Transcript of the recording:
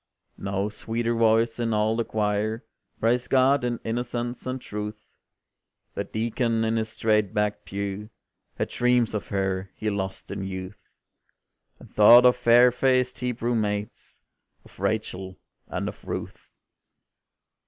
No sweeter voice in all the choir Praised God in innocence and truth, The Deacon in his straight backed pew Had dreams of her he lost in youth, And thought of fair faced Hebrew maids Of Rachel, and of Ruth.